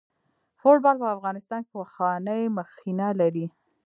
فوټبال په افغانستان کې پخوانۍ مخینه لري.